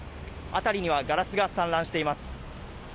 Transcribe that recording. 辺りにはガラスが散乱しています。